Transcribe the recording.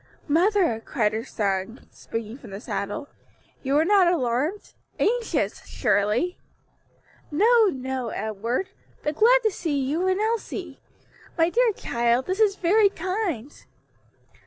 "Mother," cried her son, springing from the saddle, "you were not alarmed? anxious? surely." "No, no, Edward, but glad to see you and Elsie! my dear child, this is very kind."